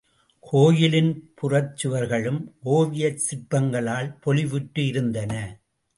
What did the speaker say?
கோயிலின் புறச்சுவர்களும் ஓவியச் சிற்பங்களால் பொலிவுற்று இருந்தன.